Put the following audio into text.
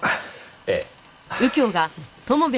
ええ。